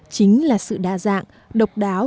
chính là sự đa dạng độc đáo